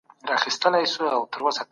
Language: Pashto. ډاکتران د الټراساؤنډ ګټه ستايي.